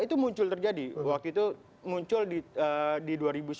itu muncul terjadi waktu itu muncul di